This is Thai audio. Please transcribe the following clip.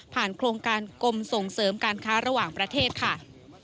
โครงการกรมส่งเสริมการค้าระหว่างประเทศค่ะ